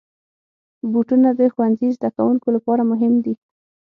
بوټونه د ښوونځي زدهکوونکو لپاره مهم دي.